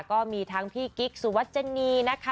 ก็มีทั้งพี่กิ๊กสุวัชนีนะคะ